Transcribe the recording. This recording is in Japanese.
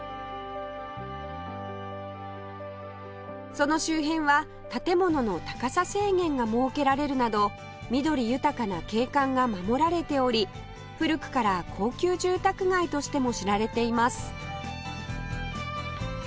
その周辺は建物の高さ制限が設けられるなど緑豊かな景観が守られており古くから高級住宅街としても知られています